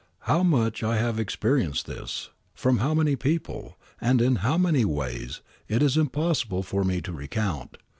How much I have experienced this, from how many people, and in how many ways it is impossible for me to recount.